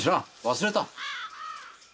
忘れた。